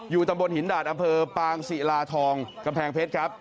ตำบลหินดาดอำเภอปางศิลาทองกำแพงเพชรครับ